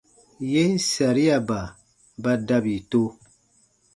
Yen sariaba ba dabi to.